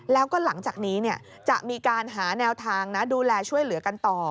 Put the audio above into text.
แล้วก็หลังจากนี้จะมีการหาแนวทางดูแลช่วยเหลือกันต่อ